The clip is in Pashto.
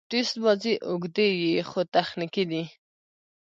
ټېسټ بازي اوږدې يي، خو تخنیکي دي.